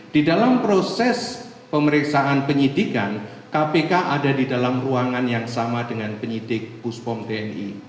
di dalam proses pemeriksaan penyidikan kpk ada di dalam ruangan yang sama dengan penyidik puspom tni